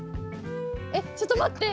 ちょっと待って。